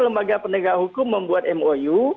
lembaga penegak hukum membuat mou